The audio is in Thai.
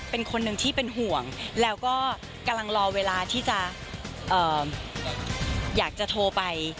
เป็นคนหนึ่งที่เป็นห่วงแล้วก็กำลังรอเวลาที่จะอยากจะโทรไป